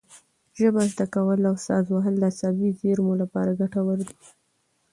ژبه زده کول او ساز وهل د عصبي زېرمو لپاره ګټور دي.